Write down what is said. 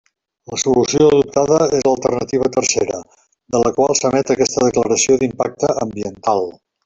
La solució adoptada és l'alternativa tercera, de la qual s'emet aquesta declaració d'impacte ambiental.